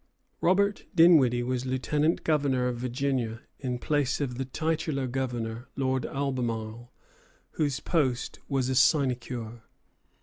Robert Dinwiddie was lieutenant governor of Virginia, in place of the titular governor, Lord Albemarle, whose post was a sinecure.